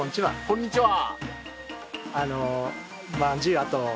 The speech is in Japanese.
こんにちは！